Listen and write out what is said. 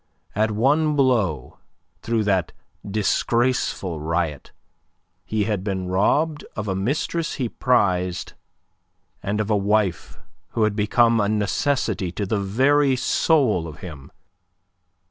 At one blow through that disgraceful riot he had been robbed of a mistress he prized and of a wife who had become a necessity to the very soul of him.